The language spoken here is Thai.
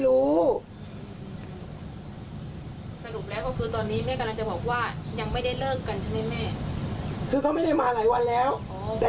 เมื่อวันพระที่แล้วเนี่ยมันก็ยังมาขายของช่วยแม่อยู่เลย